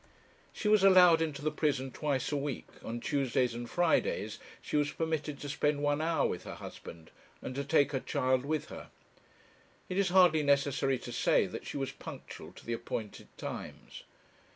She was allowed into the prison twice a week; on Tuesdays and Fridays she was permitted to spend one hour with her husband, and to take her child with her. It is hardly necessary to say that she was punctual to the appointed times.